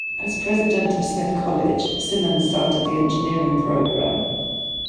As president of Smith College, Simmons started the engineering program.